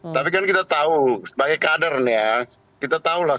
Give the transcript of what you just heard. tapi kan kita tahu sebagai kadernya kita tahulah